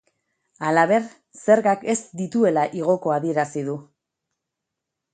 Halaber, zergak ez dituela igoko adierazi du.